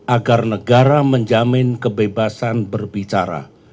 agar negara menjamin kebebasan berbicara